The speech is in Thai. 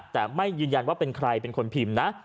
แต่ไม่ยืนยันว่าเป็นใครเป็นคนพิมพ์นะ